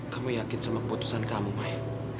kamu yakin sama keputusan kamu mai